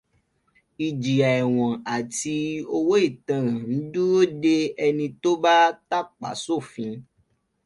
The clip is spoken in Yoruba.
Ìjìyà ẹ̀wọ̀n àti owó ìtanràn ń dúró de ẹni tó bá tàpá sófin.